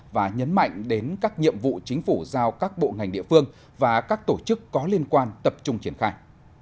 và nhấn mạnh đến các nhiệm vụ chính phủ giao các bộ ngành địa phương và các tổ chức có liên quan tập trung triển khai